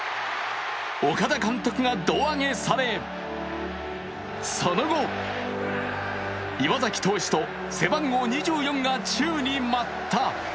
岡田監督が胴上げされその後、岩崎投手と背番号２４が宙に舞った。